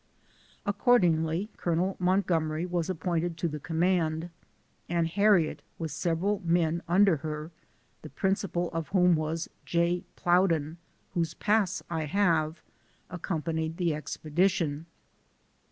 Accordingly, Col. Montgomery was appointed to the command, and Harriet, with several men un der her, the principal of whom was J. Plowden, whose pass I have, accompanied the expedition.